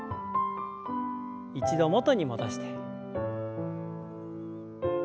一度元に戻して。